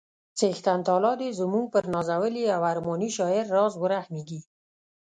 څښتن تعالی دې زموږ پر نازولي او ارماني شاعر راز ورحمیږي